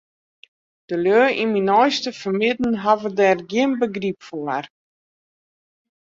De lju yn myn neiste fermidden hawwe dêr gjin begryp foar.